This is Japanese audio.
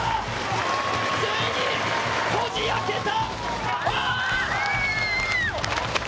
ついにこじ開けた。